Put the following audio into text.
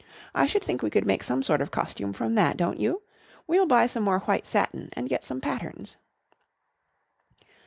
I should think we could make some sort of costume from that, don't you? We'll buy some more white satin and get some patterns."